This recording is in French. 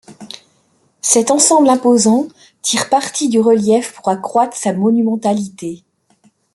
Cet ensemble imposant tire parti du relief pour accroître sa monumentalité.